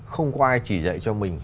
không có ai chỉ dạy cho mình